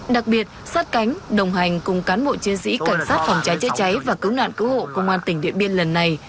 đặc biệt sát cánh đồng hành cùng cán bộ chiến sĩ cảnh sát phòng cháy chữa cháy và cứu nạn cứu hộ công an tỉnh điện biên lần này